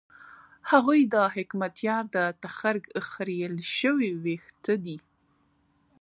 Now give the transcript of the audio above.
هغوی د حکمتیار د تخرګ خرېیل شوي وېښته دي.